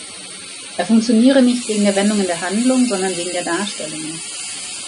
Er funktioniere nicht wegen der Wendungen der Handlung, sondern wegen der Darstellungen.